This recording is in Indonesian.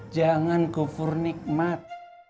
jangan kufur nikmat